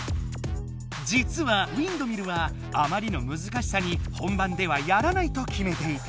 じつはウインドミルはあまりのむずかしさに本番ではやらないときめていた。